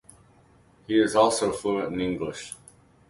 He is also fluent in English.